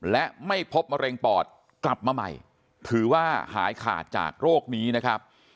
และไม่พบมะเร็งปอดกลับมาใหม่ถือว่าหายขาดจากโรคนี้นะครับ